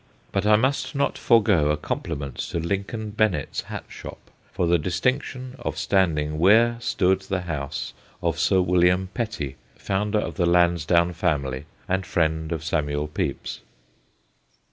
But I must not forego a compliment to Lincoln Bennett's hat shop, for the distinction of standing where stood the house of Sir William Petty, founder of the Lansdowne family, and friend of Samuel Pepys.